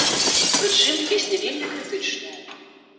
Прычым, песня вельмі крытычная.